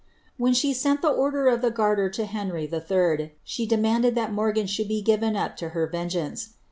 When she sent the order of the Garter 0 Henry III., she demanded that Morgan should be given up to her ven geance.